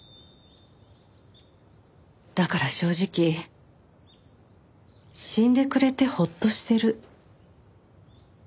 だから正直死んでくれてホッとしてる。